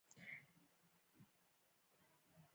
دا د افغانانو کلتور دی.